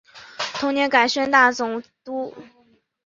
同年改宣大总督。